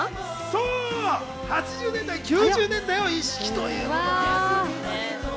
そう、８０年代・９０年代を意識しているんです。